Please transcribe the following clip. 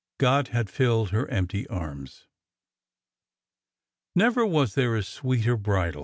God had filled her empty arms ! Never was there a sweeter bridal.